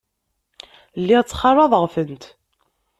Lliɣ ttxalaḍeɣ-tent.